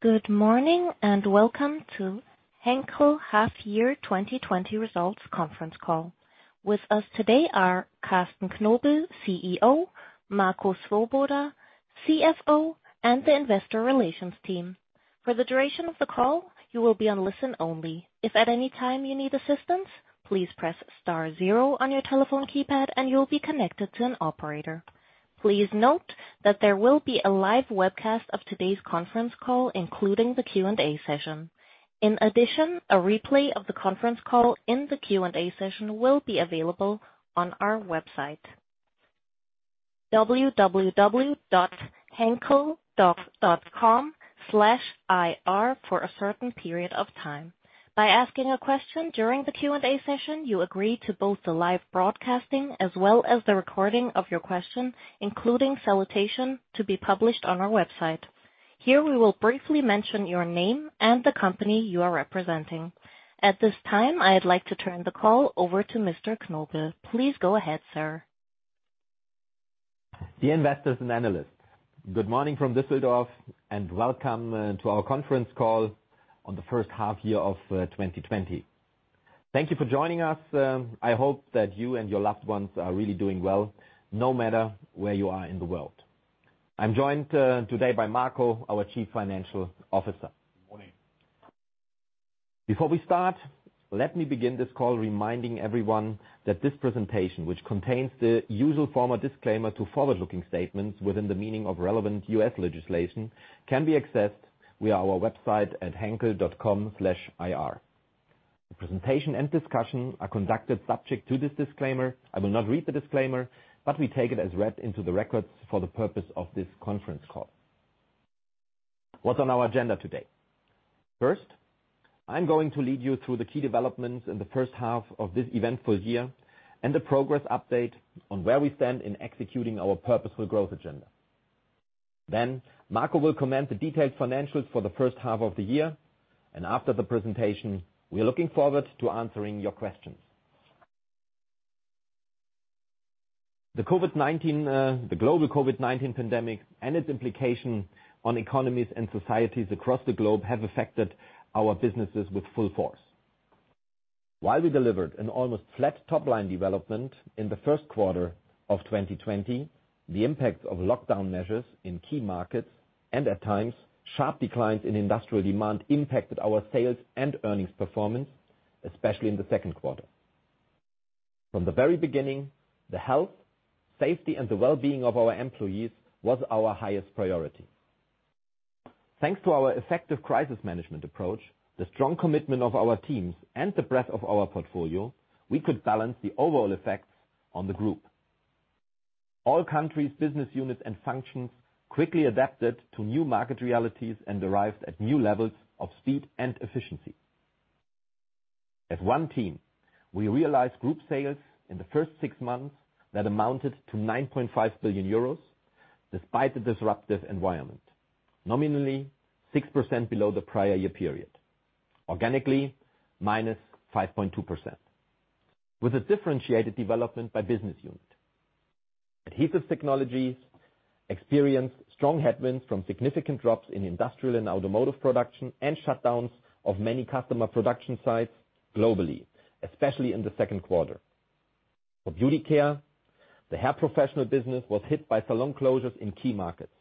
Good morning, and welcome to Henkel Half-Year 2020 Results Conference Call. With us today are Carsten Knobel, CEO, Marco Swoboda, CFO, and the investor relations team. For the duration of the call, you will be on listen only. If at any time you need assistance, please press star zero on your telephone keypad, and you'll be connected to an operator. Please note that there will be a live webcast of today's conference call, including the Q&A session. In addition, a replay of the conference call and the Q&A session will be available on our website, www.henkel.com/ir, for a certain period of time. By asking a question during the Q&A session, you agree to both the live broadcasting as well as the recording of your question, including salutation, to be published on our website. Here we will briefly mention your name and the company you are representing. At this time, I'd like to turn the call over to Mr. Knobel. Please go ahead, sir. Dear investors and analysts, good morning from Düsseldorf and welcome to our conference call on the first half year of 2020. Thank you for joining us. I hope that you and your loved ones are really doing well, no matter where you are in the world. I'm joined today by Marco, our Chief Financial Officer. Morning. Before we start, let me begin this call reminding everyone that this presentation, which contains the usual formal disclaimer to forward-looking statements within the meaning of relevant U.S. legislation, can be accessed via our website at henkel.com/ir. The presentation and discussion are conducted subject to this disclaimer. I will not read the disclaimer. We take it as read into the records for the purpose of this conference call. What's on our agenda today? First, I'm going to lead you through the key developments in the first half of this eventful year and the progress update on where we stand in executing our purposeful growth agenda. Marco will comment the detailed financials for the first half of the year. After the presentation, we are looking forward to answering your questions. The global COVID-19 pandemic and its implication on economies and societies across the globe have affected our businesses with full force. While we delivered an almost flat top-line development in the first quarter of 2020, the impact of lockdown measures in key markets and at times sharp declines in industrial demand impacted our sales and earnings performance, especially in the second quarter. From the very beginning, the health, safety, and the wellbeing of our employees was our highest priority. Thanks to our effective crisis management approach, the strong commitment of our teams, and the breadth of our portfolio, we could balance the overall effects on the group. All countries, business units, and functions quickly adapted to new market realities and arrived at new levels of speed and efficiency. As one team, we realized group sales in the first six months that amounted to 9.5 billion euros, despite the disruptive environment. Nominally, 6% below the prior year period. Organically, minus 5.2%, with a differentiated development by business unit. Adhesive Technologies experienced strong headwinds from significant drops in industrial and automotive production and shutdowns of many customer production sites globally, especially in the second quarter. For Beauty Care, the hair professional business was hit by salon closures in key markets.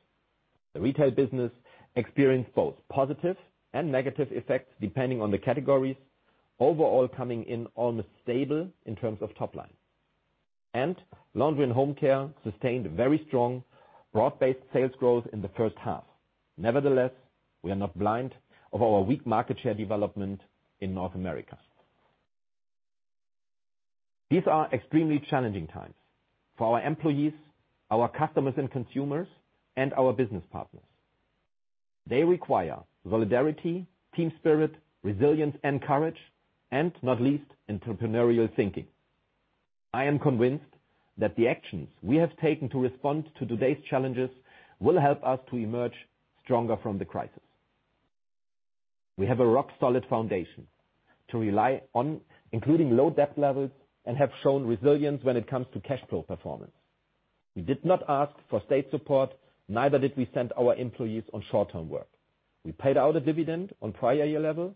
The retail business experienced both positive and negative effects, depending on the categories, overall coming in almost stable in terms of top line. Laundry & Home Care sustained very strong broad-based sales growth in the first half. Nevertheless, we are not blind of our weak market share development in North America. These are extremely challenging times for our employees, our customers and consumers, and our business partners. They require solidarity, team spirit, resilience and courage, and not least, entrepreneurial thinking. I am convinced that the actions we have taken to respond to today's challenges will help us to emerge stronger from the crisis. We have a rock-solid foundation to rely on, including low debt levels, and have shown resilience when it comes to cash flow performance. We did not ask for state support, neither did we send our employees on short-term work. We paid out a dividend on prior year level,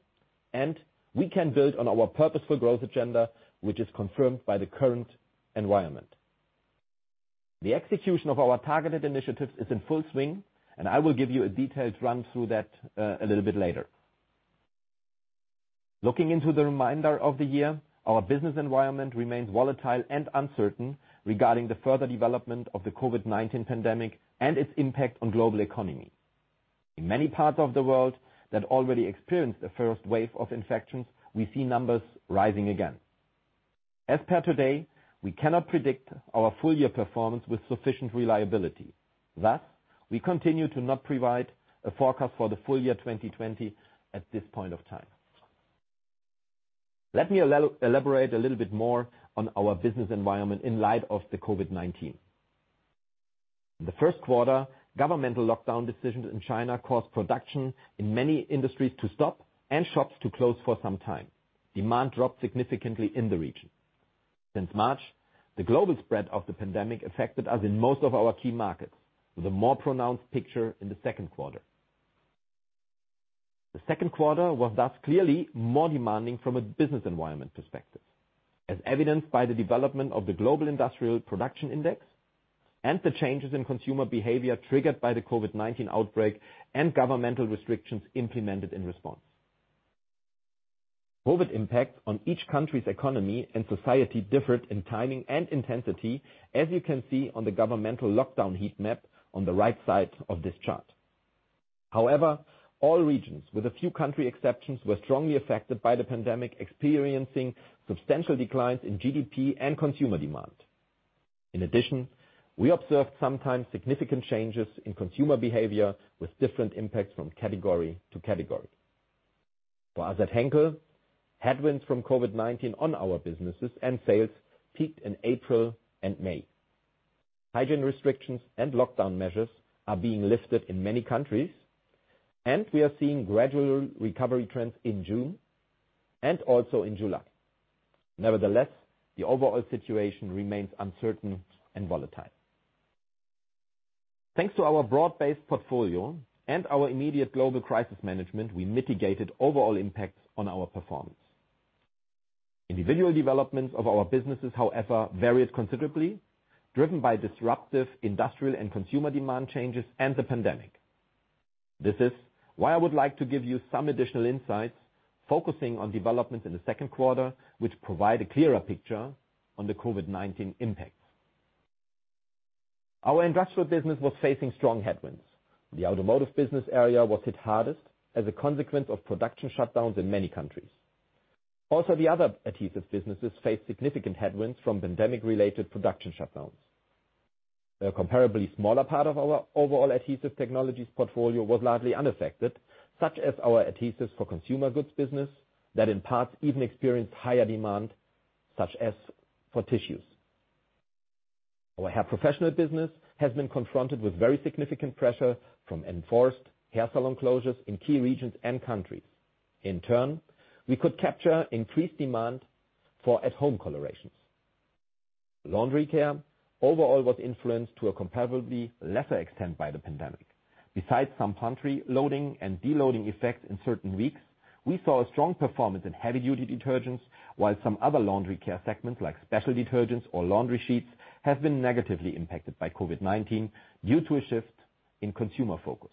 and we can build on our purposeful growth agenda, which is confirmed by the current environment. The execution of our targeted initiatives is in full swing, and I will give you a detailed run through that a little bit later. Looking into the remainder of the year, our business environment remains volatile and uncertain regarding the further development of the COVID-19 pandemic and its impact on global economy. In many parts of the world that already experienced the first wave of infections, we see numbers rising again. As per today, we cannot predict our full year performance with sufficient reliability. Thus, we continue to not provide a forecast for the full year 2020 at this point of time. Let me elaborate a little bit more on our business environment in light of the COVID-19. In the first quarter, governmental lockdown decisions in China caused production in many industries to stop and shops to close for some time. Demand dropped significantly in the region. Since March, the global spread of the pandemic affected us in most of our key markets, with a more pronounced picture in the second quarter. The second quarter was thus clearly more demanding from a business environment perspective, as evidenced by the development of the global industrial production index and the changes in consumer behavior triggered by the COVID-19 outbreak and governmental restrictions implemented in response. COVID impact on each country's economy and society differed in timing and intensity, as you can see on the governmental lockdown heat map on the right side of this chart. However, all regions, with a few country exceptions, were strongly affected by the pandemic, experiencing substantial declines in GDP and consumer demand. In addition, we observed sometimes significant changes in consumer behavior with different impacts from category to category. For us at Henkel, headwinds from COVID-19 on our businesses and sales peaked in April and May. Hygiene restrictions and lockdown measures are being lifted in many countries, and we are seeing gradual recovery trends in June and also in July. Nevertheless, the overall situation remains uncertain and volatile. Thanks to our broad-based portfolio and our immediate global crisis management, we mitigated overall impacts on our performance. Individual developments of our businesses, however, varied considerably, driven by disruptive industrial and consumer demand changes and the pandemic. This is why I would like to give you some additional insights, focusing on developments in the second quarter, which provide a clearer picture on the COVID-19 impacts. Our industrial business was facing strong headwinds. The automotive business area was hit hardest as a consequence of production shutdowns in many countries. The other adhesive businesses faced significant headwinds from pandemic-related production shutdowns. A comparably smaller part of our overall Adhesive Technologies portfolio was largely unaffected, such as our adhesives for consumer goods business, that in parts even experienced higher demand, such as for tissues. Our hair professional business has been confronted with very significant pressure from enforced hair salon closures in key regions and countries. In turn, we could capture increased demand for at-home colorations. Laundry care overall was influenced to a comparatively lesser extent by the pandemic. Besides some pantry loading and deloading effects in certain weeks, we saw a strong performance in heavy-duty detergents, while some other laundry care segments, like special detergents or laundry sheets, have been negatively impacted by COVID-19 due to a shift in consumer focus.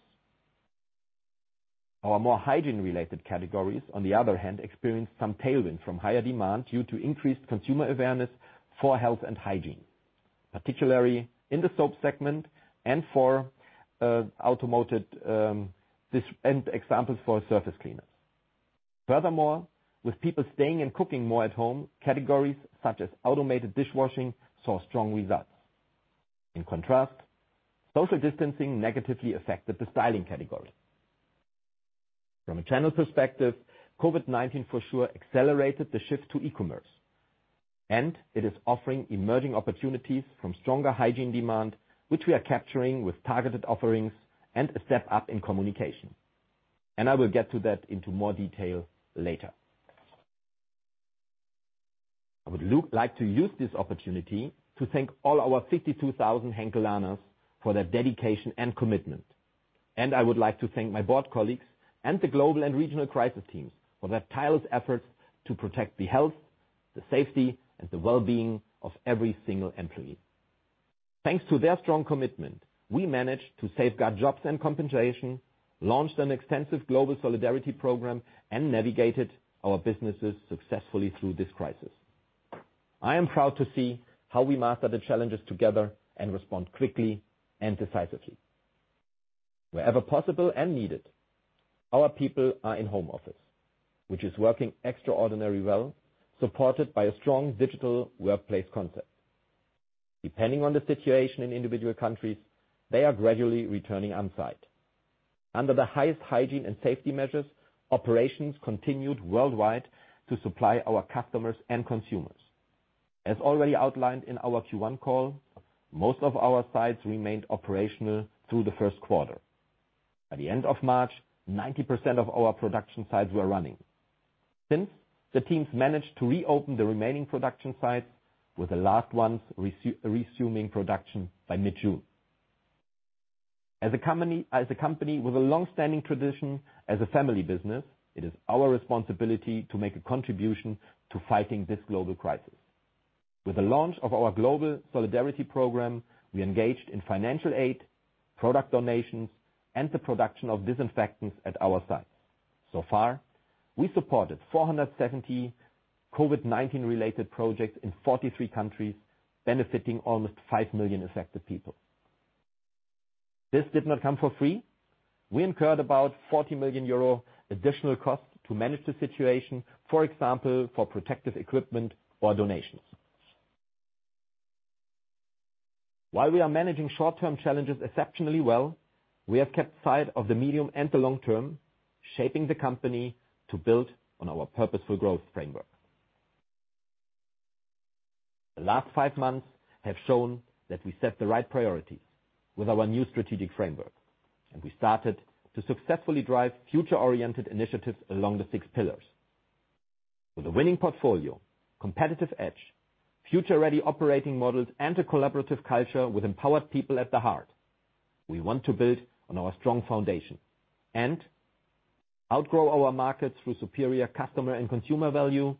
Our more hygiene-related categories, on the other hand, experienced some tailwind from higher demand due to increased consumer awareness for health and hygiene, particularly in the soap segment and for automated, and examples for surface cleaners. Furthermore, with people staying and cooking more at home, categories such as automated dishwashing saw strong results. In contrast, social distancing negatively affected the styling category. From a channel perspective, COVID-19 for sure accelerated the shift to e-commerce. It is offering emerging opportunities from stronger hygiene demand, which we are capturing with targeted offerings and a step up in communication. I will get to that into more detail later. I would like to use this opportunity to thank all our 52,000 Henkelers for their dedication and commitment, and I would like to thank my board colleagues and the global and regional crisis teams for their tireless efforts to protect the health, the safety, and the well-being of every single employee. Thanks to their strong commitment, we managed to safeguard jobs and compensation, launched an extensive global solidarity program, and navigated our businesses successfully through this crisis. I am proud to see how we master the challenges together and respond quickly and decisively. Wherever possible and needed, our people are in home office, which is working extraordinarily well, supported by a strong digital workplace concept. Depending on the situation in individual countries, they are gradually returning on-site. Under the highest hygiene and safety measures, operations continued worldwide to supply our customers and consumers. As already outlined in our Q1 call, most of our sites remained operational through the first quarter. By the end of March, 90% of our production sites were running. The teams managed to reopen the remaining production sites, with the last ones resuming production by mid-June. As a company with a longstanding tradition as a family business, it is our responsibility to make a contribution to fighting this global crisis. With the launch of our global solidarity program, we engaged in financial aid, product donations, and the production of disinfectants at our sites. We supported 470 COVID-19-related projects in 43 countries, benefiting almost five million affected people. This did not come for free. We incurred about 40 million euro additional cost to manage the situation, for example, for protective equipment or donations. While we are managing short-term challenges exceptionally well, we have kept sight of the medium and the long term, shaping the company to build on our purposeful growth framework. The last five months have shown that we set the right priorities with our new strategic framework, and we started to successfully drive future-oriented initiatives along the six pillars. With a winning portfolio, competitive edge, future-ready operating models, and a collaborative culture with empowered people at the heart, we want to build on our strong foundation and outgrow our markets through superior customer and consumer value,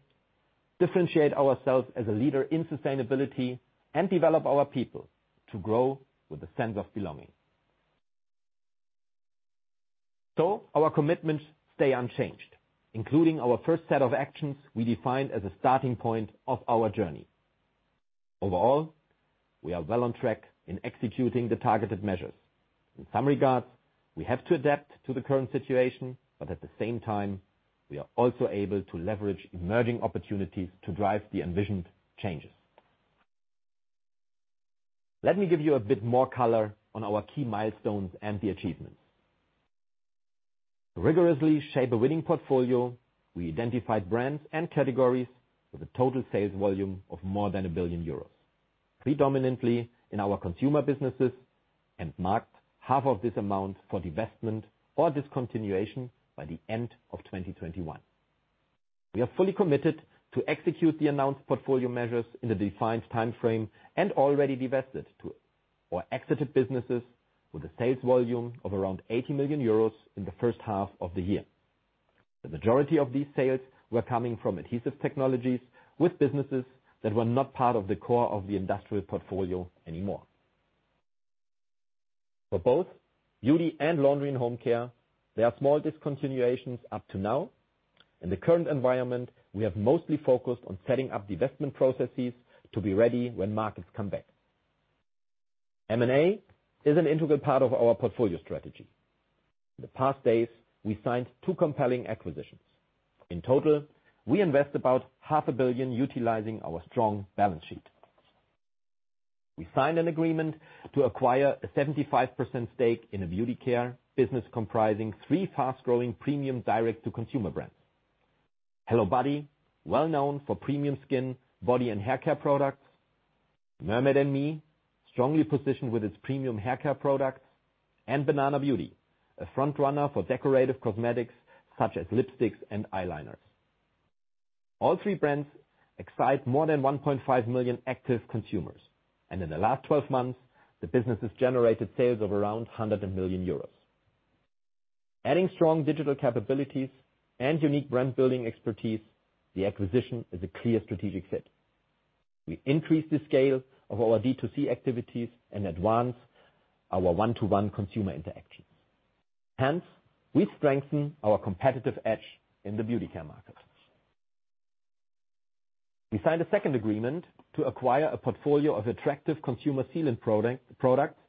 differentiate ourselves as a leader in sustainability, and develop our people to grow with a sense of belonging. Our commitments stay unchanged, including our first set of actions we defined as a starting point of our journey. Overall, we are well on track in executing the targeted measures. In some regards, we have to adapt to the current situation, but at the same time, we are also able to leverage emerging opportunities to drive the envisioned changes. Let me give you a bit more color on our key milestones and the achievements. To rigorously shape a winning portfolio, we identified brands and categories with a total sales volume of more than 1 billion euros, predominantly in our consumer businesses, and marked half of this amount for divestment or discontinuation by the end of 2021. We are fully committed to execute the announced portfolio measures in the defined timeframe and already divested to or exited businesses with a sales volume of around 80 million euros in the first half of the year. The majority of these sales were coming from Adhesive Technologies with businesses that were not part of the core of the industrial portfolio anymore. For both Beauty Care and Laundry & Home Care, there are small discontinuations up to now. In the current environment, we have mostly focused on setting up divestment processes to be ready when markets come back. M&A is an integral part of our portfolio strategy. In the past days, we signed two compelling acquisitions. In total, we invest about half a billion utilizing our strong balance sheet. We signed an agreement to acquire a 75% stake in a beauty care business comprising three fast-growing premium direct-to-consumer brands. HelloBody, well known for premium skin, body, and hair care products. Mermaid+Me, strongly positioned with its premium hair care products. Banana Beauty, a frontrunner for decorative cosmetics such as lipsticks and eyeliners. All three brands excite more than 1.5 million active consumers, and in the last 12 months, the businesses generated sales of around 100 million euros. Adding strong digital capabilities and unique brand-building expertise, the acquisition is a clear strategic fit. We increase the scale of our D2C activities and advance our one-to-one consumer interactions. Hence, we strengthen our competitive edge in the Beauty Care markets. We signed a second agreement to acquire a portfolio of attractive consumer sealant products,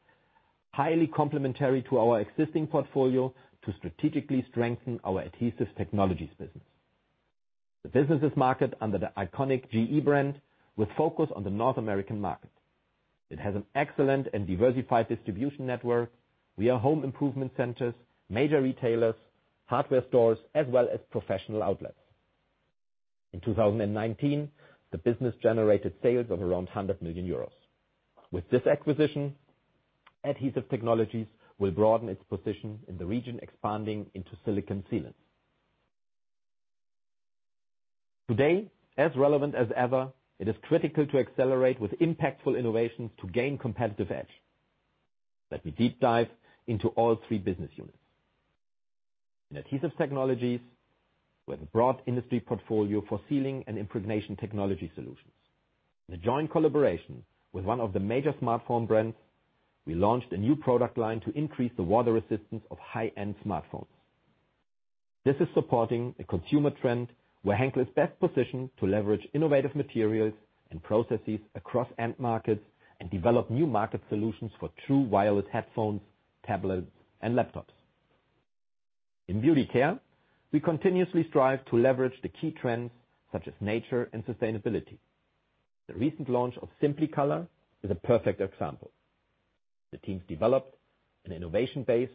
highly complementary to our existing portfolio to strategically strengthen our Adhesive Technologies business. The business is marketed under the iconic GE brand with focus on the North American market. It has an excellent and diversified distribution network via home improvement centers, major retailers, hardware stores, as well as professional outlets. In 2019, the business generated sales of around 100 million euros. With this acquisition, Adhesive Technologies will broaden its position in the region, expanding into silicone sealant. Today, as relevant as ever, it is critical to accelerate with impactful innovations to gain competitive edge. Let me deep dive into all three business units. In Adhesive Technologies, with a broad industry portfolio for sealing and impregnation technology solutions. In a joint collaboration with one of the major smartphone brands, we launched a new product line to increase the water resistance of high-end smartphones. This is supporting a consumer trend where Henkel is best positioned to leverage innovative materials and processes across end markets and develop new market solutions for true wireless headphones, tablets, and laptops. In Beauty Care, we continuously strive to leverage the key trends such as nature and sustainability. The recent launch of Simply Color is a perfect example. The teams developed an innovation based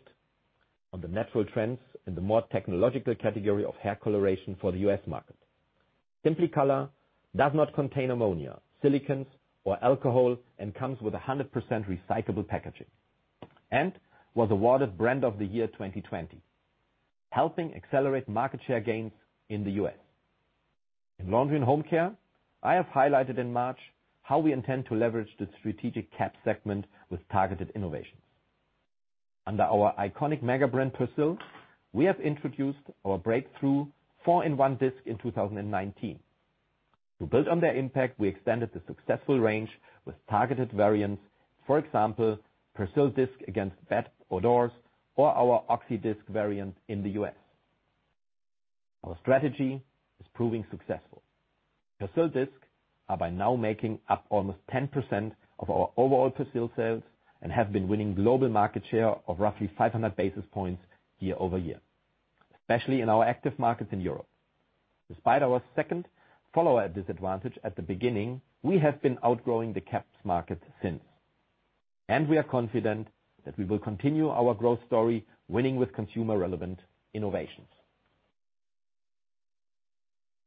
on the natural trends in the more technological category of hair coloration for the U.S. market. Simply Color does not contain ammonia, silicones or alcohol and comes with 100% recyclable packaging and was awarded Brand of the Year 2020, helping accelerate market share gains in the U.S. In Laundry & Home Care, I have highlighted in March how we intend to leverage the strategic caps segment with targeted innovations. Under our iconic mega brand, Persil, we have introduced our breakthrough 4in1 Discs in 2019. To build on their impact, we extended the successful range with targeted variants. For example, Persil Discs against bad odors or our OXI disc variant in the U.S. Our strategy is proving successful. Persil Discs are by now making up almost 10% of our overall Persil sales and have been winning global market share of roughly 500 basis points year-over-year, especially in our active markets in Europe. Despite our second follower disadvantage at the beginning, we have been outgrowing the caps market since. We are confident that we will continue our growth story, winning with consumer-relevant innovations.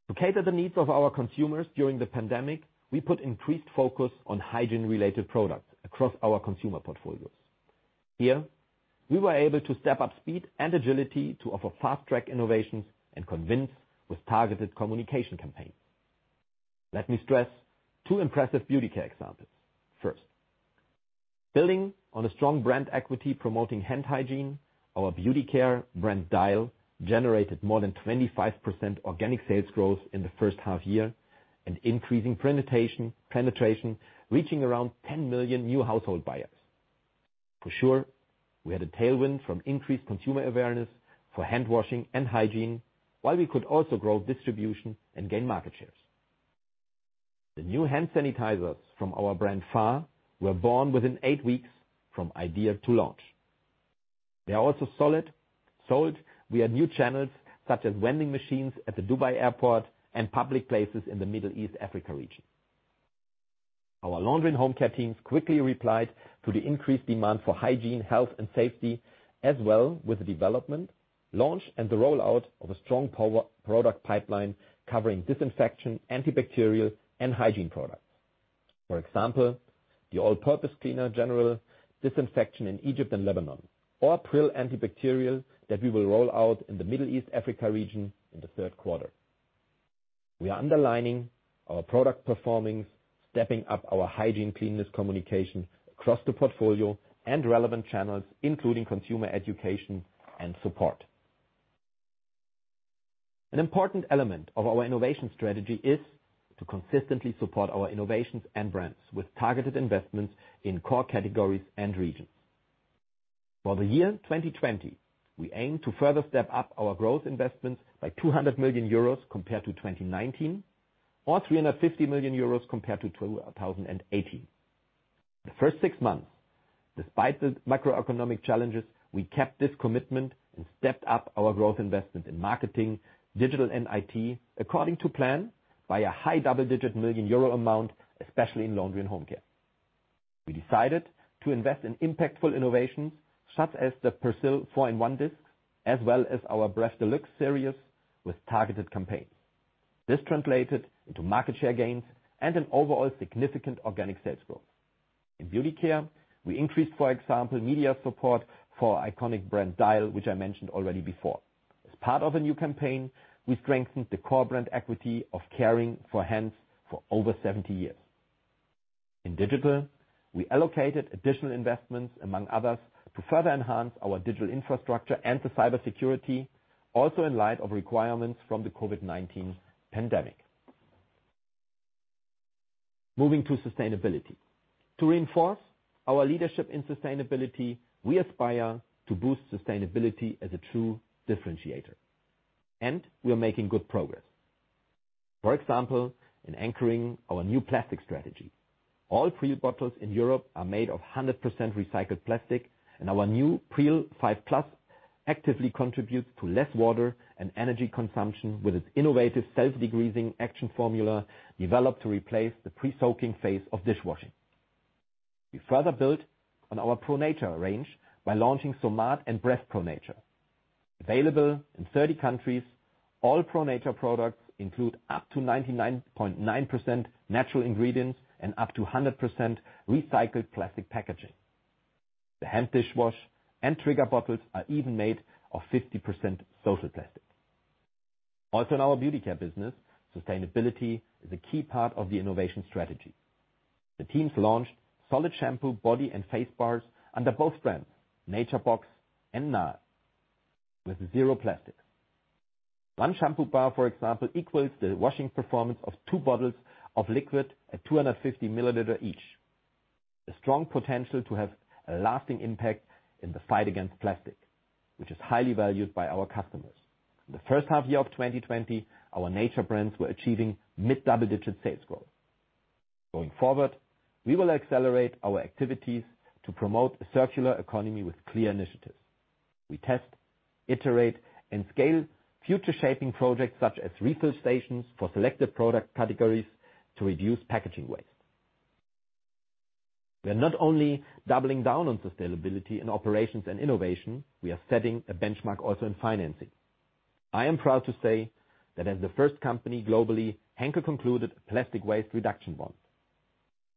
To cater the needs of our consumers during the pandemic, we put increased focus on hygiene-related products across our consumer portfolios. Here, we were able to step up speed and agility to offer fast-track innovations and convince with targeted communication campaigns. Let me stress two impressive Beauty Care examples. First, building on a strong brand equity promoting hand hygiene, our Beauty Care brand, Dial, generated more than 25% organic sales growth in the first half year and increasing penetration, reaching around 10 million new household buyers. For sure, we had a tailwind from increased consumer awareness for handwashing and hygiene, while we could also grow distribution and gain market shares. The new hand sanitizers from our brand, Fa, were born within eight weeks from idea to launch. They are also sold via new channels such as vending machines at the Dubai Airport and public places in the Middle East Africa region. Our Laundry & Home Care teams quickly replied to the increased demand for hygiene, health, and safety as well, with the development, launch, and the rollout of a strong product pipeline covering disinfection, antibacterial, and hygiene products. For example, the all-purpose cleaner, general disinfection in Egypt and Lebanon, or Pril antibacterial that we will roll out in the Middle East Africa region in the third quarter. We are underlining our product performance, stepping up our hygiene, cleanliness communication across the portfolio and relevant channels, including consumer education and support. An important element of our innovation strategy is to consistently support our innovations and brands with targeted investments in core categories and regions. For the year 2020, we aim to further step up our growth investments by 200 million euros compared to 2019, or 350 million euros compared to 2018. The first six months, despite the macroeconomic challenges, we kept this commitment and stepped up our growth investment in marketing, digital, and IT according to plan by a high double-digit million EUR amount, especially in Laundry & Home Care. We decided to invest in impactful innovations such as the Persil 4in1 Discs, as well as our Bref DeLuxe series with targeted campaigns. This translated into market share gains and an overall significant organic sales growth. In Beauty Care, we increased, for example, media support for iconic brand Dial, which I mentioned already before. As part of a new campaign, we strengthened the core brand equity of caring for hands for over 70 years. In digital, we allocated additional investments, among others, to further enhance our digital infrastructure and the cybersecurity, also in light of requirements from the COVID-19 pandemic. Moving to sustainability. To reinforce our leadership in sustainability, we aspire to boost sustainability as a true differentiator, and we are making good progress. For example, in anchoring our new plastic strategy. All Pril bottles in Europe are made of 100% recycled plastic, and our new Pril 5+ actively contributes to less water and energy consumption with its innovative self-degreasing action formula developed to replace the pre-soaking phase of dishwashing. We further build on our ProNature range by launching Somat and Bref ProNature. Available in 30 countries, all ProNature products include up to 99.9% natural ingredients and up to 100% recycled plastic packaging. The hand dishwash and trigger bottles are even made of 50% social plastic. In our Beauty Care business, sustainability is a key part of the innovation strategy. The teams launched solid shampoo, body, and face bars under both brands, Nature Box and N.A.E., with zero plastic. One shampoo bar, for example, equals the washing performance of two bottles of liquid at 250 ml each. The strong potential to have a lasting impact in the fight against plastic, which is highly valued by our customers. In the first half year of 2020, our nature brands were achieving mid double-digit sales growth. Going forward, we will accelerate our activities to promote a circular economy with clear initiatives. We test, iterate, and scale future shaping projects such as refill stations for selected product categories to reduce packaging waste. We are not only doubling down on sustainability in operations and innovation, we are setting a benchmark also in financing. I am proud to say that as the first company globally, Henkel concluded a plastic waste reduction bond.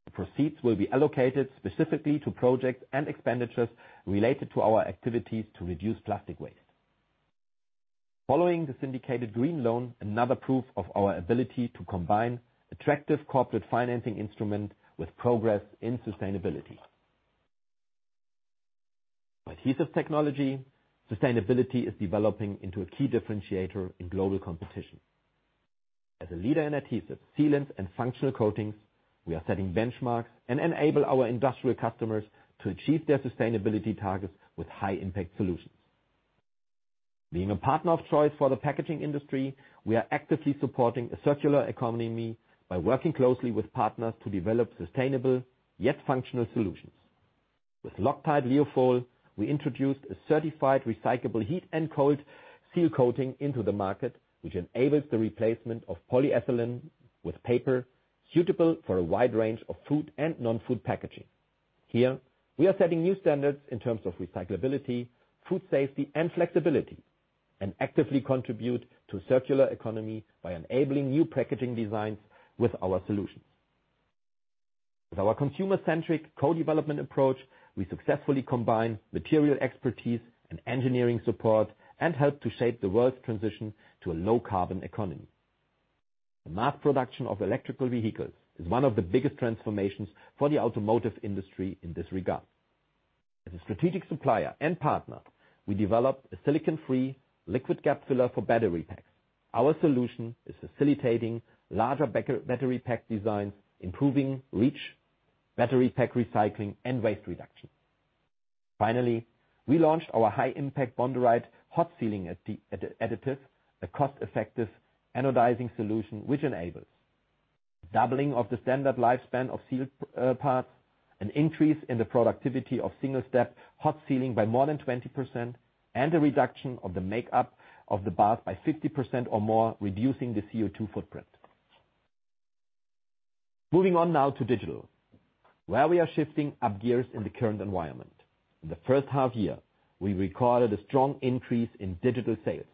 The proceeds will be allocated specifically to projects and expenditures related to our activities to reduce plastic waste. Following this indicated green loan, another proof of our ability to combine attractive corporate financing instrument with progress in sustainability. For Adhesive Technologies, sustainability is developing into a key differentiator in global competition. As a leader in adhesives, sealants, and functional coatings, we are setting benchmarks and enable our industrial customers to achieve their sustainability targets with high-impact solutions. Being a partner of choice for the packaging industry, we are actively supporting a circular economy by working closely with partners to develop sustainable, yet functional solutions. With Loctite Liofol, we introduced a certified recyclable heat and cold seal coating into the market, which enables the replacement of polyethylene with paper suitable for a wide range of food and non-food packaging. Here, we are setting new standards in terms of recyclability, food safety and flexibility, and actively contribute to circular economy by enabling new packaging designs with our solutions. With our consumer-centric co-development approach, we successfully combine material expertise and engineering support and help to shape the world's transition to a low-carbon economy. The mass production of electrical vehicles is one of the biggest transformations for the automotive industry in this regard. As a strategic supplier and partner, we developed a silicon-free liquid gap filler for battery packs. Our solution is facilitating larger battery pack design, improving reach, battery pack recycling, and waste reduction. Finally, we launched our high impact Bonderite hot sealing additive, a cost-effective anodizing solution which enables doubling of the standard lifespan of sealed parts, an increase in the productivity of single-step hot sealing by more than 20%, and a reduction of the makeup of the bath by 50% or more, reducing the CO2 footprint. Moving on now to digital, where we are shifting up gears in the current environment. In the first half year, we recorded a strong increase in digital sales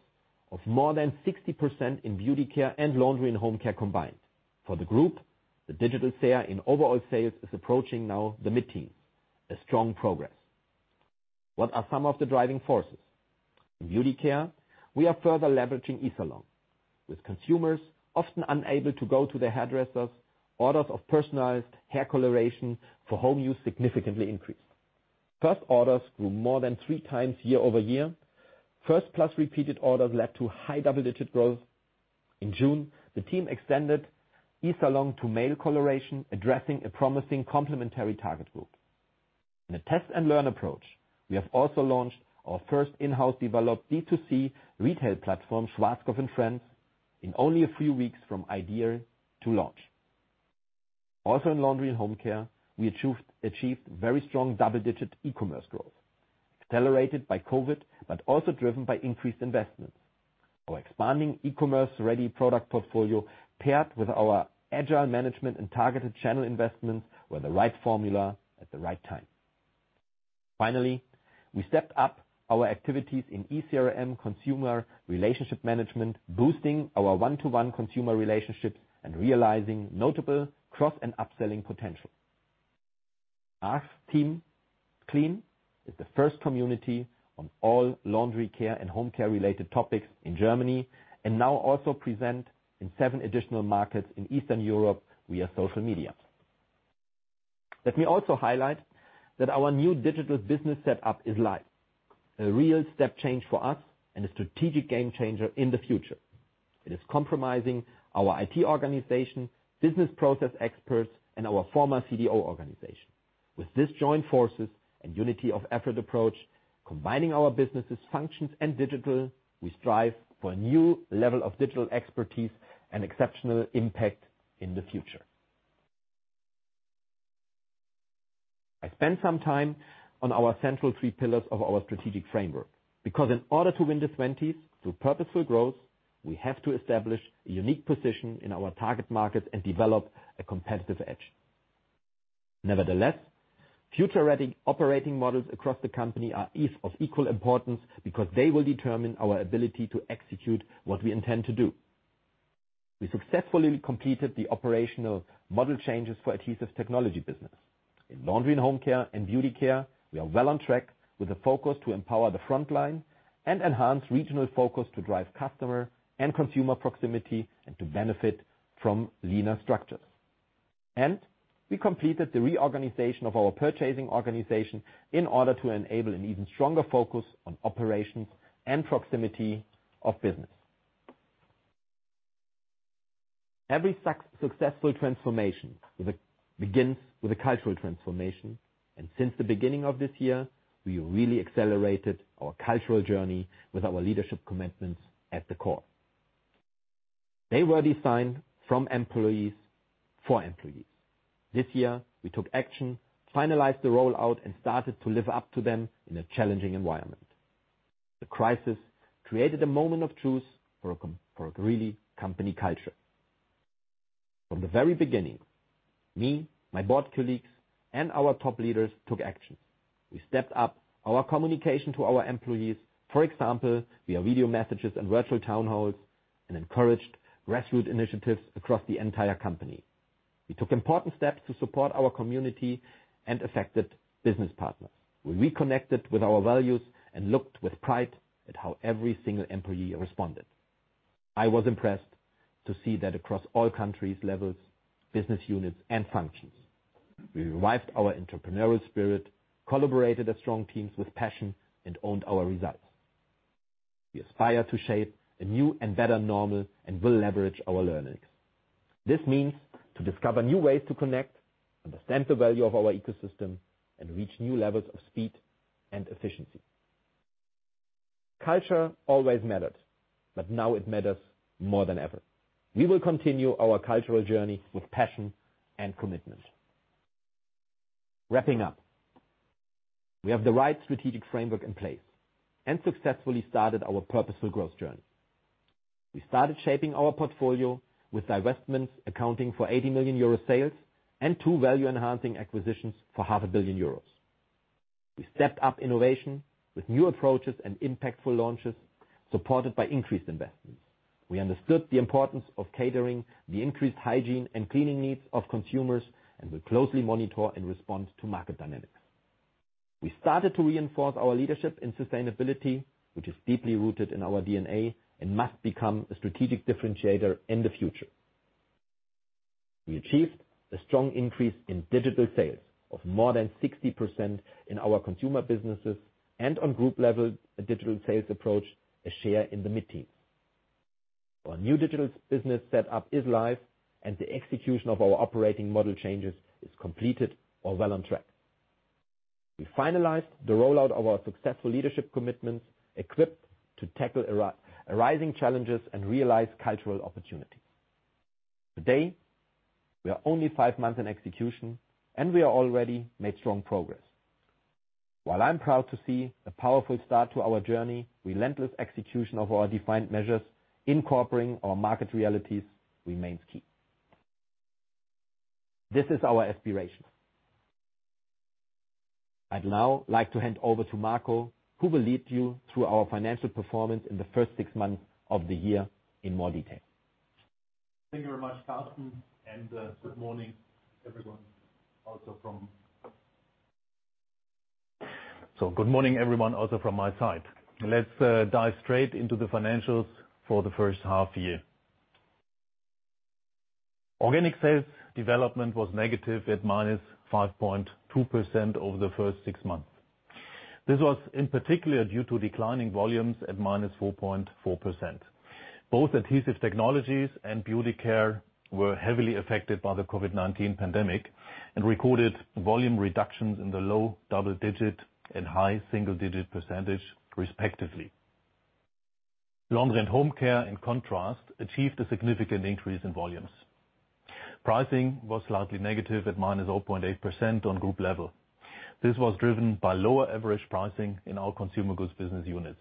of more than 60% in Beauty Care and Laundry & Home Care combined. For the group, the digital sale in overall sales is approaching now the mid-teens. A strong progress. What are some of the driving forces? In Beauty Care, we are further leveraging eSalon. With consumers often unable to go to the hairdressers, orders of personalized hair coloration for home use significantly increased. First orders grew more than three times year-over-year. First-plus repeated orders led to high double-digit growth. In June, the team extended eSalon to male coloration, addressing a promising complementary target group. In a test-and-learn approach, we have also launched our first in-house developed D2C retail platform, Schwarzkopf and Friends, in only a few weeks from idea to launch. In Laundry & Home Care, we achieved very strong double-digit e-commerce growth, accelerated by COVID-19, but also driven by increased investments. Our expanding e-commerce-ready product portfolio paired with our agile management and targeted channel investments were the right formula at the right time. Finally, we stepped up our activities in eCRM, consumer relationship management, boosting our one-to-one consumer relationships and realizing notable cross- and upselling potential. Ask Team Clean is the first community on all laundry care and home care-related topics in Germany, and now also present in seven additional markets in Eastern Europe via social media. Let me also highlight that our new digital business setup is live. A real step change for us and a strategic game changer in the future. It is comprising our IT organization, business process experts, and our former CDO organization. With this joint forces and unity-of-effort approach, combining our businesses, functions, and digital, we strive for a new level of digital expertise and exceptional impact in the future. I spent some time on our central three pillars of our strategic framework, because in order to win the 2020s through purposeful growth, we have to establish a unique position in our target market and develop a competitive edge. Nevertheless, future-ready operating models across the company are of equal importance because they will determine our ability to execute what we intend to do. We successfully completed the operational model changes for Adhesive Technologies. In Laundry & Home Care and Beauty Care, we are well on track with a focus to empower the frontline and enhance regional focus to drive customer and consumer proximity and to benefit from leaner structures. We completed the reorganization of our purchasing organization in order to enable an even stronger focus on operations and proximity of business. Every successful transformation begins with a cultural transformation, and since the beginning of this year, we really accelerated our cultural journey with our leadership commitments at the core. They were designed from employees for employees. This year, we took action, finalized the rollout, and started to live up to them in a challenging environment. The crisis created a moment of truth for company culture. From the very beginning, me, my board colleagues, and our top leaders took action. We stepped up our communication to our employees, for example, via video messages and virtual town halls, and encouraged grassroots initiatives across the entire company. We took important steps to support our community and affected business partners. We reconnected with our values and looked with pride at how every single employee responded. I was impressed to see that across all countries, levels, business units and functions, we revived our entrepreneurial spirit, collaborated as strong teams with passion, and owned our results. We aspire to shape a new and better normal and will leverage our learnings. This means to discover new ways to connect, understand the value of our ecosystem, and reach new levels of speed and efficiency. Culture always mattered, but now it matters more than ever. We will continue our cultural journey with passion and commitment. Wrapping up, we have the right strategic framework in place and successfully started our purposeful growth journey. We started shaping our portfolio with divestments accounting for 80 million euro sales and two value-enhancing acquisitions for half a billion EUR. We stepped up innovation with new approaches and impactful launches, supported by increased investments. We understood the importance of catering, the increased hygiene and cleaning needs of consumers, and will closely monitor and respond to market dynamics. We started to reinforce our leadership in sustainability, which is deeply rooted in our DNA and must become a strategic differentiator in the future. We achieved a strong increase in digital sales of more than 60% in our consumer businesses and on group level, a digital sales approach, a share in the mid-teens. Our new digital business set up is live, and the execution of our operating model changes is completed or well on track. We finalized the rollout of our successful leadership commitments, equipped to tackle arising challenges and realize cultural opportunities. Today, we are only five months in execution, and we are already made strong progress. While I'm proud to see the powerful start to our journey, relentless execution of our defined measures, incorporating our market realities remains key. This is our aspiration. I'd now like to hand over to Marco who will lead you through our financial performance in the first six months of the year in more detail. Thank you very much, Carsten, and good morning, everyone. Good morning, everyone, also from my side. Let's dive straight into the financials for the first half year. Organic sales development was negative at -5.2% over the first six months. This was in particular due to declining volumes at -4.4%. Both Adhesive Technologies and Beauty Care were heavily affected by the COVID-19 pandemic and recorded volume reductions in the low double digit and high single digit percentage, respectively. Laundry & Home Care, in contrast, achieved a significant increase in volumes. Pricing was slightly negative at -0.8% on group level. This was driven by lower average pricing in our consumer goods business units.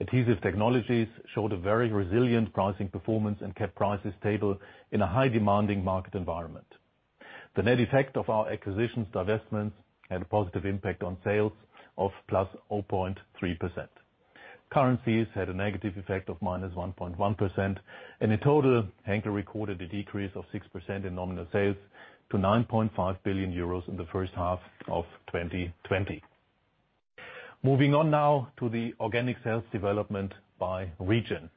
Adhesive Technologies showed a very resilient pricing performance and kept prices stable in a high demanding market environment. The net effect of our acquisitions divestments had a positive impact on sales of +0.3%. Currencies had a negative effect of -1.1%. In total, Henkel recorded a decrease of 6% in nominal sales to 9.5 billion euros in the first half of 2020. Moving on now to the organic sales development by region.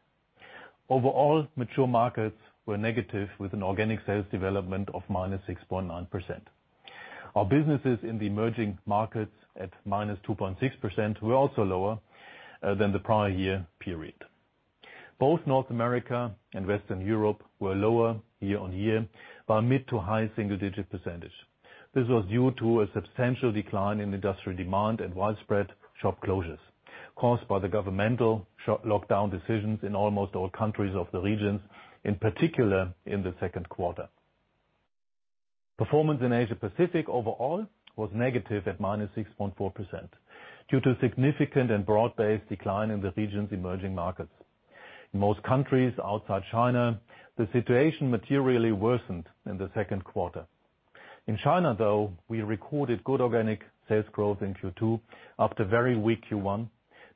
Overall, mature markets were negative with an organic sales development of -6.9%. Our businesses in the emerging markets at -2.6% were also lower than the prior year period. Both North America and Western Europe were lower year-over-year by mid to high single-digit percentage. This was due to a substantial decline in industrial demand and widespread shop closures caused by the governmental lockdown decisions in almost all countries of the regions, in particular in the second quarter. Performance in Asia-Pacific overall was negative at -6.4% due to significant and broad-based decline in the region's emerging markets. In most countries outside China, the situation materially worsened in the second quarter. In China, though, we recorded good organic sales growth in Q2 after a very weak Q1,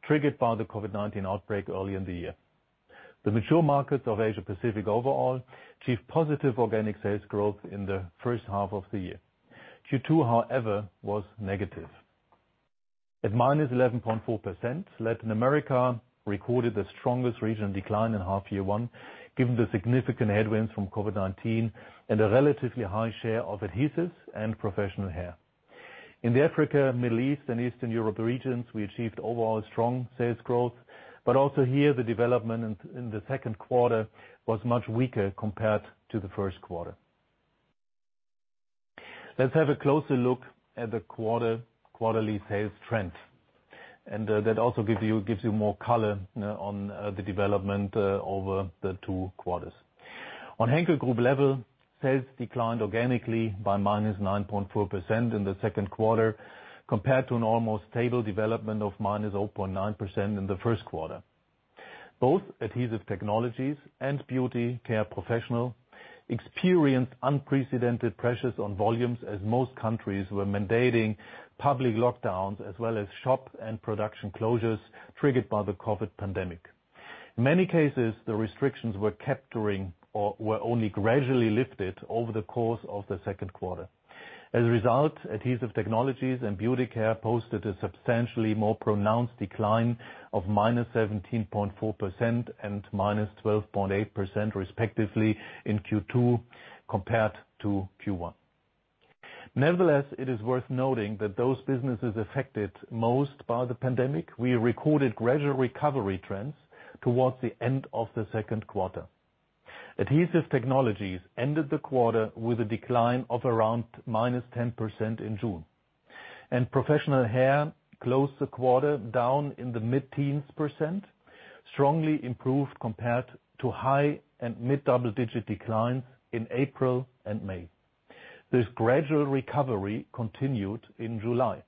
triggered by the COVID-19 outbreak early in the year. The mature markets of Asia-Pacific overall achieved positive organic sales growth in the first half of the year. Q2, however, was negative. At -11.4%, Latin America recorded the strongest regional decline in half year one, given the significant headwinds from COVID-19 and a relatively high share of adhesives and professional hair. In the Africa, Middle East, and Eastern Europe regions, we achieved overall strong sales growth, but also here the development in the second quarter was much weaker compared to the first quarter. Let's have a closer look at the quarterly sales trends. That also gives you more color on the development over the two quarters. On Henkel Group level, sales declined organically by -9.4% in the second quarter compared to an almost stable development of -0.9% in the first quarter. Both Adhesive Technologies and Beauty Care Professional experienced unprecedented pressures on volumes as most countries were mandating public lockdowns as well as shop and production closures triggered by the COVID pandemic. In many cases, the restrictions were capturing or were only gradually lifted over the course of the second quarter. As a result, Adhesive Technologies and Beauty Care posted a substantially more pronounced decline of -17.4% and -12.8%, respectively, in Q2 compared to Q1. Nevertheless, it is worth noting that those businesses affected most by the pandemic, we recorded gradual recovery trends towards the end of the second quarter. Adhesive Technologies ended the quarter with a decline of around -10% in June. Professional hair closed the quarter down in the mid-teens percent, strongly improved compared to high and mid-double-digit declines in April and May. This gradual recovery continued in July.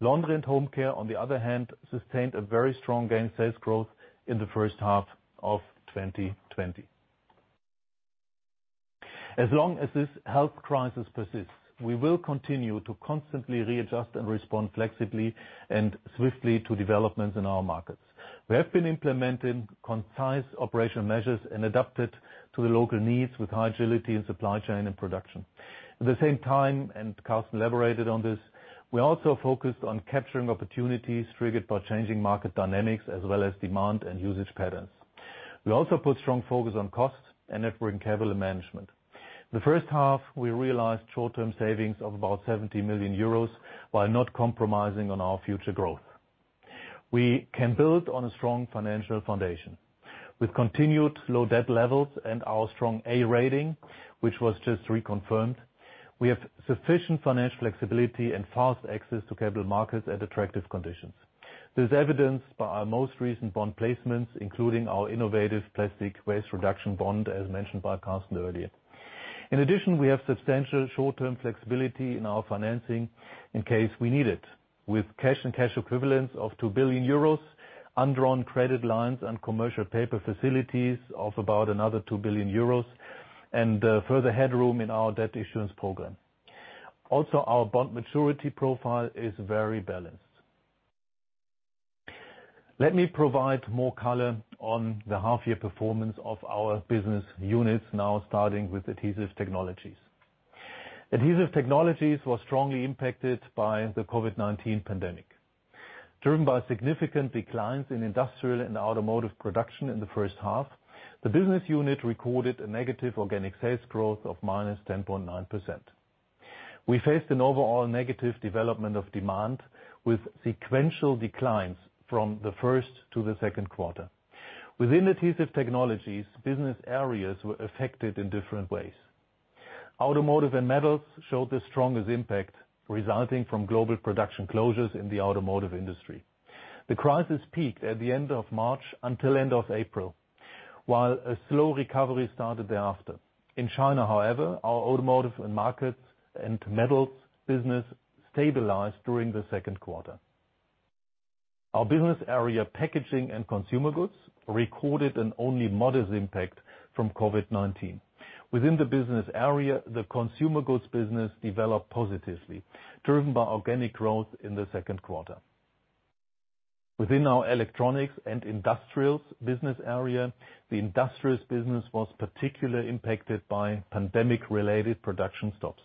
Laundry and Home Care, on the other hand, sustained a very strong gain sales growth in the first half of 2020. As long as this health crisis persists, we will continue to constantly readjust and respond flexibly and swiftly to developments in our markets. We have been implementing concise operational measures and adapt it to the local needs with high agility in supply chain and production. At the same time, and Carsten elaborated on this, we also focused on capturing opportunities triggered by changing market dynamics as well as demand and usage patterns. We also put strong focus on cost and net working capital management. The first half, we realized short-term savings of about 70 million euros while not compromising on our future growth. We can build on a strong financial foundation. With continued low debt levels and our strong A rating, which was just reconfirmed, we have sufficient financial flexibility and fast access to capital markets at attractive conditions. This is evidenced by our most recent bond placements, including our innovative plastic waste reduction bond, as mentioned by Carsten earlier. In addition, we have substantial short-term flexibility in our financing in case we need it, with cash and cash equivalents of 2 billion euros, undrawn credit lines, and commercial paper facilities of about another 2 billion euros, and further headroom in our debt issuance program. Our bond maturity profile is very balanced. Let me provide more color on the half-year performance of our business units now, starting with Adhesive Technologies. Adhesive Technologies was strongly impacted by the COVID-19 pandemic. Driven by significant declines in industrial and automotive production in the first half, the business unit recorded a negative organic sales growth of -10.9%. We faced an overall negative development of demand, with sequential declines from the first to the second quarter. Within Adhesive Technologies, business areas were affected in different ways. Automotive and Metals showed the strongest impact, resulting from global production closures in the automotive industry. The crisis peaked at the end of March until end of April, while a slow recovery started thereafter. In China, however, our Automotive and Markets and Metals business stabilized during the second quarter. Our business area, Packaging and Consumer Goods, recorded an only modest impact from COVID-19. Within the business area, the consumer goods business developed positively, driven by organic growth in the second quarter. Within our electronics and industrials business area, the industrials business was particularly impacted by pandemic-related production stops.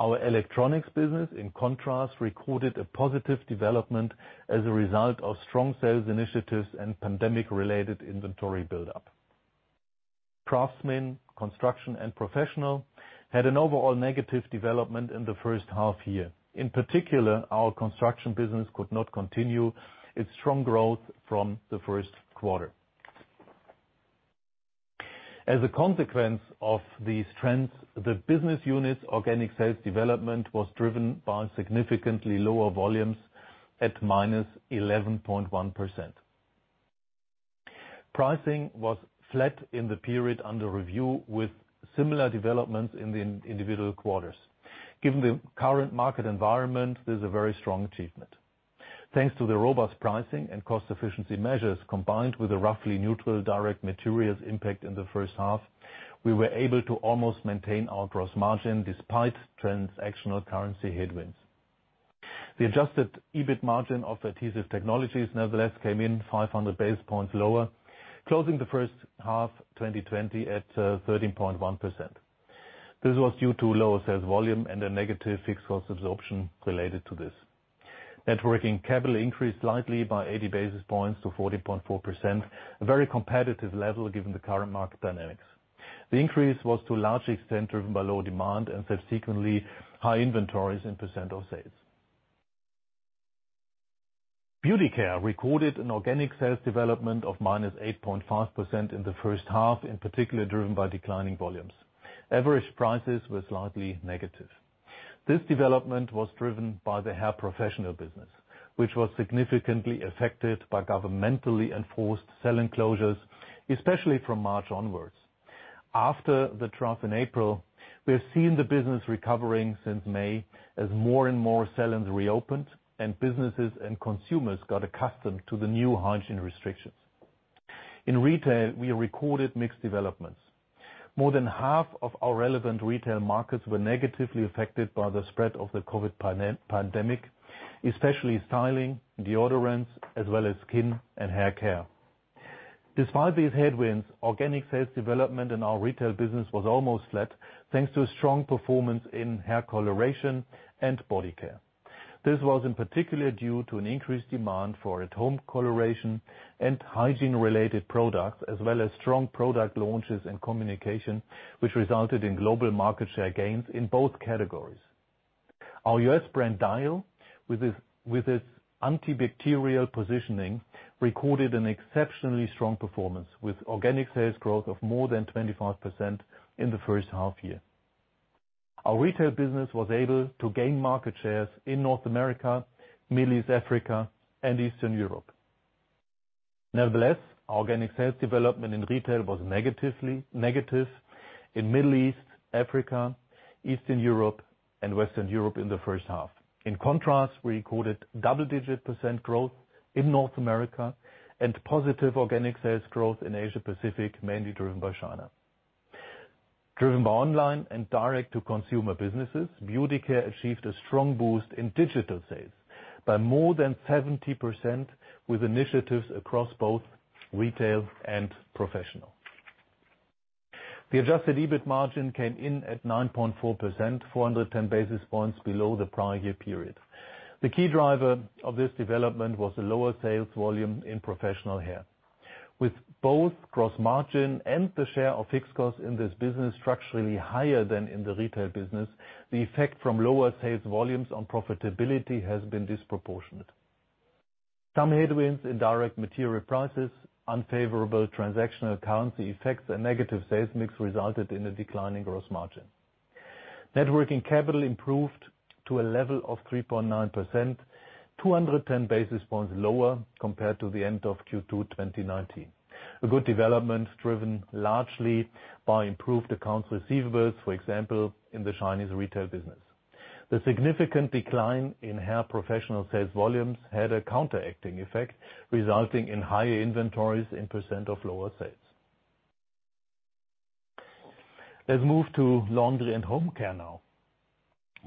Our electronics business, in contrast, recorded a positive development as a result of strong sales initiatives and pandemic-related inventory buildup. Craftsmen, construction, and professional had an overall negative development in the first half year. In particular, our construction business could not continue its strong growth from the first quarter. As a consequence of these trends, the business unit's organic sales development was driven by significantly lower volumes at -11.1%. Pricing was flat in the period under review with similar developments in the individual quarters. Given the current market environment, this is a very strong achievement. Thanks to the robust pricing and cost efficiency measures, combined with a roughly neutral direct materials impact in the first half, we were able to almost maintain our gross margin despite transactional currency headwinds. The adjusted EBIT margin of Adhesive Technologies, nevertheless, came in 500 basis points lower, closing the first half 2020 at 13.1%. This was due to lower sales volume and a negative fixed cost absorption related to this. Net working capital increased slightly by 80 basis points to 14.4%, a very competitive level given the current market dynamics. The increase was to a large extent driven by low demand and subsequently high inventories in % of sales. Beauty Care recorded an organic sales development of -8.5% in the first half, in particular driven by declining volumes. Average prices were slightly negative. This development was driven by the hair professional business, which was significantly affected by governmentally enforced salon closures, especially from March onwards. After the trough in April, we have seen the business recovering since May as more and more salons reopened and businesses and consumers got accustomed to the new hygiene restrictions. In retail, we recorded mixed developments. More than half of our relevant retail markets were negatively affected by the spread of the COVID-19 pandemic, especially styling, deodorants, as well as skin and hair care. Despite these headwinds, organic sales development in our retail business was almost flat, thanks to a strong performance in hair coloration and body care. This was in particular due to an increased demand for at-home coloration and hygiene-related products, as well as strong product launches and communication, which resulted in global market share gains in both categories. Our U.S. brand, Dial with its antibacterial positioning, recorded an exceptionally strong performance with organic sales growth of more than 25% in the first half year. Our retail business was able to gain market shares in North America, Middle East, Africa, and Eastern Europe. Nevertheless, organic sales development in retail was negative in Middle East, Africa, Eastern Europe and Western Europe in the first half. In contrast, we recorded double-digit percent growth in North America and positive organic sales growth in Asia-Pacific, mainly driven by China. Driven by online and direct-to-consumer businesses, Beauty Care achieved a strong boost in digital sales by more than 70%, with initiatives across both retail and professional. The adjusted EBIT margin came in at 9.4%, 410 basis points below the prior year period. The key driver of this development was the lower sales volume in professional hair. With both gross margin and the share of fixed costs in this business structurally higher than in the retail business, the effect from lower sales volumes on profitability has been disproportionate. Some headwinds in direct material prices, unfavorable transactional currency effects, and negative sales mix resulted in a decline in gross margin. Net working capital improved to a level of 3.9%, 210 basis points lower compared to the end of Q2 2019. A good development driven largely by improved accounts receivables, for example, in the Chinese retail business. The significant decline in hair professional sales volumes had a counteracting effect, resulting in higher inventories in percent of lower sales. Let's move to Laundry & Home Care now.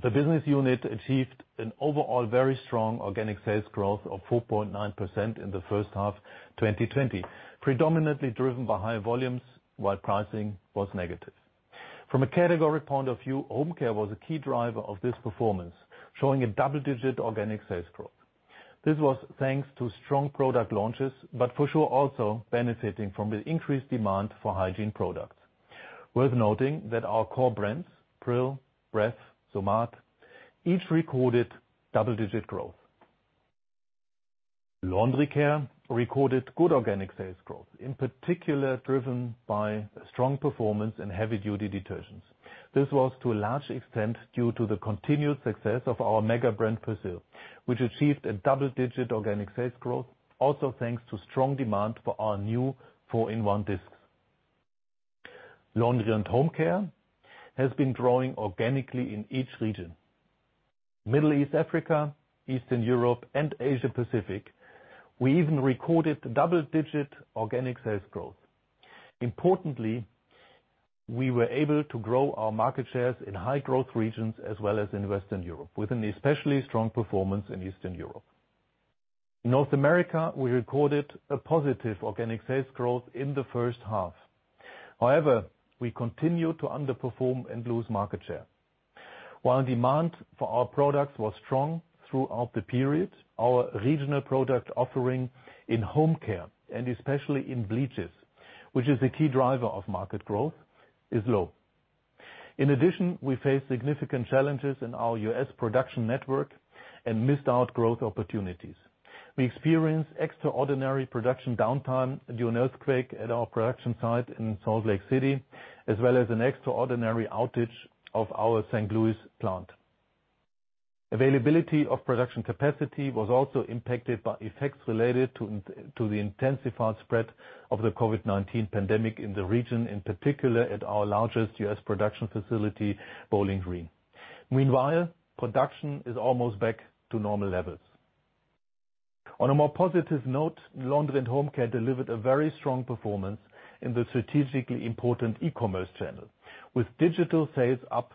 The business unit achieved an overall very strong organic sales growth of 4.9% in the first half 2020, predominantly driven by high volumes, while pricing was negative. From a category point of view, Home Care was a key driver of this performance, showing a double-digit organic sales growth. This was thanks to strong product launches, but for sure, also benefiting from the increased demand for hygiene products. Worth noting that our core brands, Pril, Bref, Somat, each recorded double-digit growth. Laundry Care recorded good organic sales growth, in particular driven by a strong performance in heavy-duty detergents. This was to a large extent due to the continued success of our mega brand, Persil, which achieved a double-digit organic sales growth, also thanks to strong demand for our new 4in1 Discs. Laundry & Home Care has been growing organically in each region. Middle East, Africa, Eastern Europe and Asia-Pacific, we even recorded double-digit organic sales growth. Importantly, we were able to grow our market shares in high growth regions as well as in Western Europe, with an especially strong performance in Eastern Europe. In North America, we recorded a positive organic sales growth in the first half. However, we continue to underperform and lose market share. While demand for our products was strong throughout the period, our regional product offering in Home Care, and especially in bleaches, which is a key driver of market growth, is low. In addition, we face significant challenges in our U.S. production network and missed out growth opportunities. We experienced extraordinary production downtime during earthquake at our production site in Salt Lake City, as well as an extraordinary outage of our St. Louis plant. Availability of production capacity was also impacted by effects related to the intensified spread of the COVID-19 pandemic in the region, in particular at our largest U.S. production facility, Bowling Green. Meanwhile, production is almost back to normal levels. On a more positive note, Laundry & Home Care delivered a very strong performance in the strategically important e-commerce channel, with digital sales up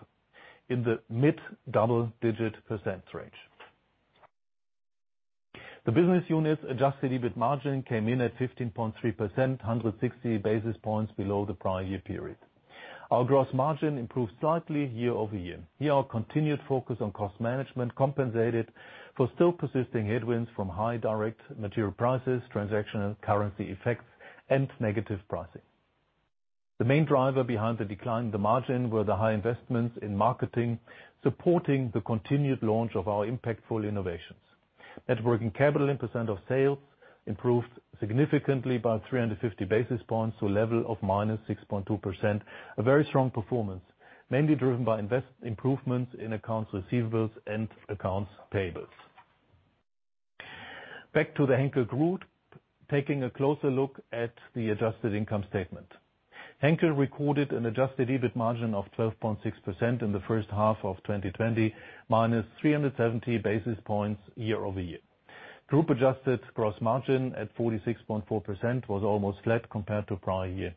in the mid double-digit % range. The business unit's adjusted EBIT margin came in at 15.3%, 160 basis points below the prior year period. Our gross margin improved slightly year-over-year. Here, our continued focus on cost management compensated for still persisting headwinds from high direct material prices, transactional currency effects, and negative pricing. The main driver behind the decline in the margin were the high investments in marketing, supporting the continued launch of our impactful innovations. Net working capital in % of sales improved significantly by 350 basis points to a level of -6.2%, a very strong performance, mainly driven by improvements in accounts receivables and accounts payables. Back to the Henkel group, taking a closer look at the adjusted income statement. Henkel recorded an adjusted EBIT margin of 12.6% in the first half of 2020, minus 370 basis points year over year. Group adjusted gross margin at 46.4% was almost flat compared to prior year.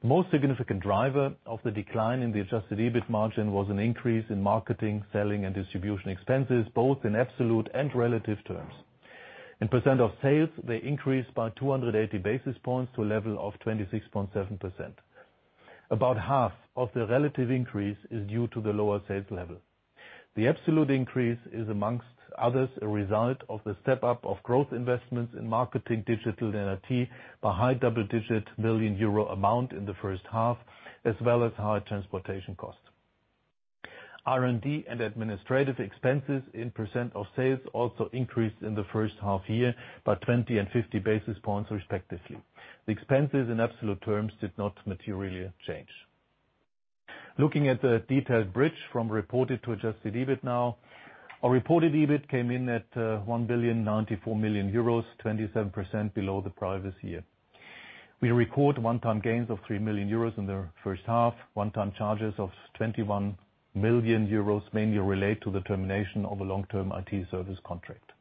The most significant driver of the decline in the adjusted EBIT margin was an increase in marketing, selling, and distribution expenses, both in absolute and relative terms. In percent of sales, they increased by 280 basis points to a level of 26.7%. About half of the relative increase is due to the lower sales level. The absolute increase is, amongst others, a result of the step-up of growth investments in marketing, digital, and IT by high double-digit million EUR amount in the first half, as well as higher transportation costs. R&D and administrative expenses in percent of sales also increased in the first half year by 20 and 50 basis points respectively. The expenses in absolute terms did not materially change. Looking at the detailed bridge from reported to adjusted EBIT now. Our reported EBIT came in at 1,094 million euros, 27% below the prior year. We record one-time gains of 3 million euros in H1, one-time charges of 21 million euros, mainly relate to the termination of a long-term IT service contract.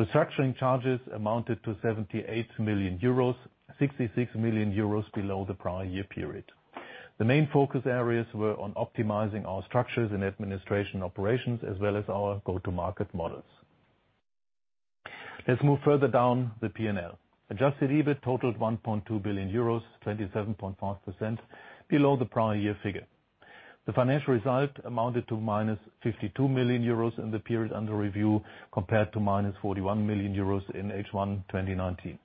Restructuring charges amounted to 78 million euros, 66 million euros below the prior year period. The main focus areas were on optimizing our structures and administration operations, as well as our go-to-market models. Let's move further down the P&L. Adjusted EBIT totaled 1.2 billion euros, 27.5% below the prior year figure. The financial result amounted to minus 52 million euros in the period under review, compared to minus 41 million euros in H1 2019.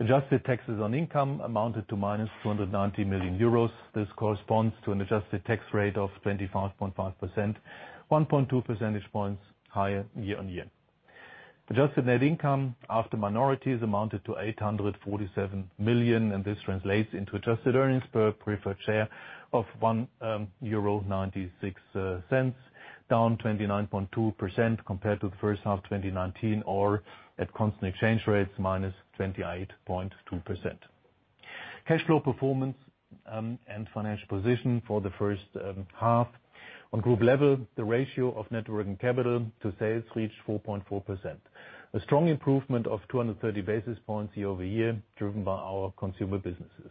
Adjusted taxes on income amounted to minus 290 million euros. This corresponds to an adjusted tax rate of 25.5%, 1.2 percentage points higher year-on-year. Adjusted net income after minorities amounted to 847 million, this translates into adjusted earnings per preferred share of 1.96 euro, down 29.2% compared to the first half 2019, or at constant exchange rates, minus 28.2%. Cash flow performance and financial position for the first half. On group level, the ratio of net working capital to sales reached 4.4%. A strong improvement of 230 basis points year-over-year, driven by our consumer businesses.